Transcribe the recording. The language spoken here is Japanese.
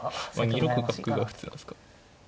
２六角が普通ですか。